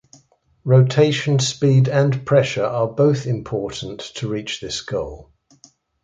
Rotation speed and pressure are both important to reach this goal.